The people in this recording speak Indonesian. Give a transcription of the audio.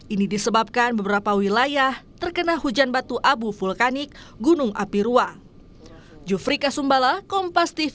ini disebabkan beberapa wilayah terkena hujan batu abu vulkanik gunung api ruah